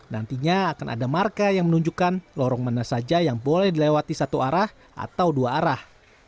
nantinya akan ada marka yang menunjukkan lorong mana saja yang boleh dilewati satu arah atau dua arah